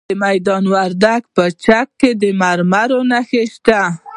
د میدان وردګو په چک کې د مرمرو نښې شته.